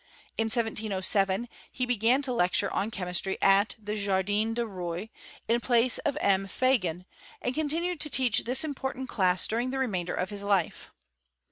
In 1707 he began to lecture on chemistry, at the Jardin dn Eoi, in place of M. Pa gan, and continued to teach this important class durmg die remainder of his life.